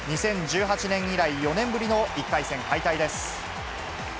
２０１８年以来、４年ぶりの１回戦敗退です。